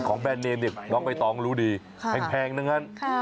ของแบรนด์เนมน้องไปตองรู้ดีแพงนั้น